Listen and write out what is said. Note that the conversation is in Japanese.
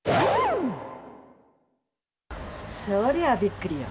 そりゃびっくりよ。